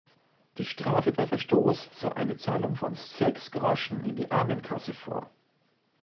Die Strafe bei Verstoß sah eine Zahlung von sechs Groschen in die Armenkasse vor.